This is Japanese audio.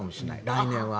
来年は。